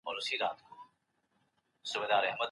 د ټولنیزو مشکلاتو مخنیوی د دې علم یو بنسټیز هدف دی.